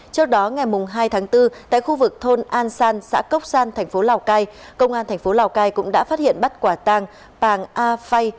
trước đó ngày hai tháng bốn tại khu vực thôn an san xã cốc san thành phố lào cai công an thành phố lào cai cũng đã phát hiện bắt quả tàng pàng a phay